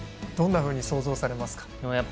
どんなふうに想像されますか？